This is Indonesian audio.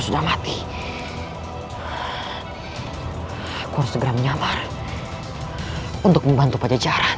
sudah mati aku harus segera menyamar untuk membantu pada jalan